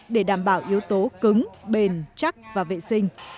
để đảm bảo yếu tố cứng bền chắc và vệ sinh